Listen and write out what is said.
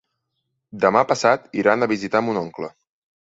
Demà passat iran a visitar mon oncle.